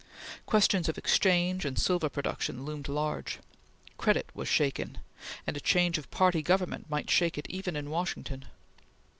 Questions of exchange and silver production loomed large. Credit was shaken, and a change of party government might shake it even in Washington.